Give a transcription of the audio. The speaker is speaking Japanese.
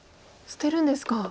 捨てるんですか。